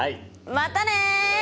またね！